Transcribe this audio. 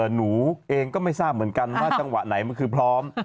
หนูเองก็ไม่ทราบเหมือนกันว่าจังหวะไหนมันคือพร้อม